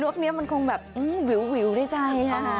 นวบเนี๊ยบมันคงแบบหื้มวิวได้ใช่